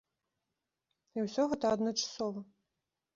І ўсё гэта адначасова.